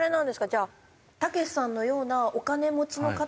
じゃあたけしさんのようなお金持ちの方が。